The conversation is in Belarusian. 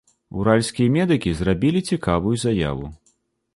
Уральскія медыкі зрабілі цікавую заяву.